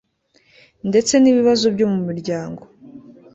ndetse n ibibazo byo mu muryango